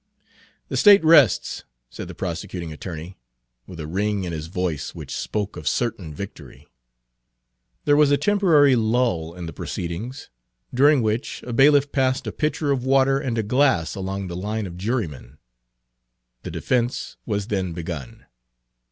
"The State rests," said the prosecuting attorney, with a ring in his voice which spoke of certain victory. There was a temporary lull in the proceedings, during which a bailiff passed a pitcher of water and a glass along the line of jurymen. The defense was then begun.